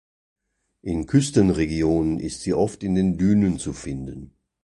In Küstenregionen ist sie oft in den Dünen zu finden.